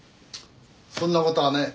そんな事はねえ。